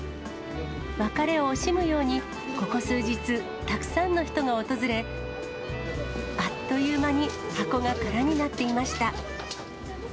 別れを惜しむように、ここ数日、たくさんの人が訪れ、あっという間に箱が空になっていました。